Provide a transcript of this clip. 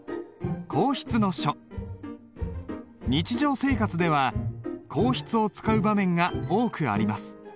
日常生活では硬筆を使う場面が多くあります。